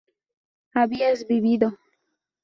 habías vivido